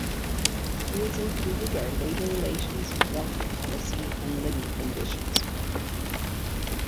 Fields included are labour relations, welfare policy, and living conditions.